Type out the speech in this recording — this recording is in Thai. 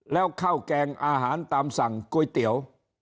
แล้วข้าวแกงอาหารตามสั่งก๋วยเตี๋ยว